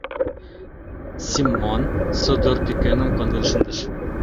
Семон содор пӱкеным конден шындыш.